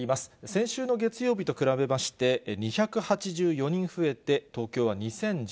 先週の月曜日と比べまして、２８４人増えて、東京は２０１９人。